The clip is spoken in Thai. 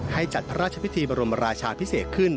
จัดพระราชพิธีบรมราชาพิเศษขึ้น